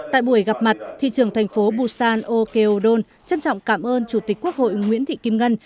tại buổi gặp mặt thị trường thành phố busan okyodon trân trọng cảm ơn chủ tịch quốc hội nguyễn thị kim ngân